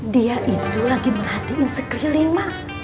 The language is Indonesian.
dia itu lagi merhatiin sekeliling ma